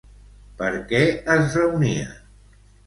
Per què es reunien?